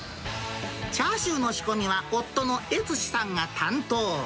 チャーシューの仕込みは、夫の悦史さんが担当。